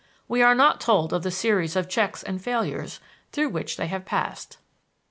We are not told of the series of checks and failures through which they have passed.